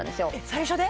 最初で？